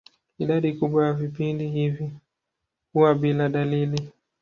Idadi kubwa ya vipindi hivi huwa bila dalili.